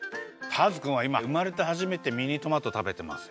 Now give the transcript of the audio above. ターズくんはいまうまれてはじめてミニトマトたべてます。